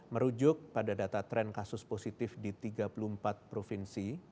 merujuk pada data tren kasus positif di tiga puluh empat provinsi